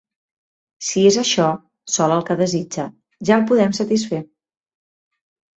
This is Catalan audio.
Si és això sol el que desitja, ja el podem satisfer.